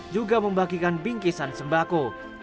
juga membagikan bingkisan sembako